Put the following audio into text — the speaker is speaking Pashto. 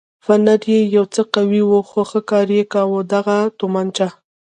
فنر یې یو څه قوي و خو ښه کار یې کاوه، دغه تومانچه.